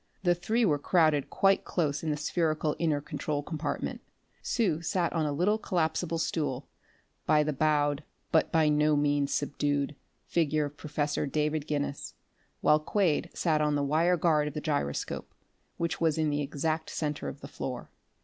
The three were crowded quite close in the spherical inner control compartment. Sue sat on a little collapsible stool by the bowed, but by no means subdued, figure of Professor David Guinness, while Quade sat on the wire guard of the gyroscope, which was in the exact center of the floor.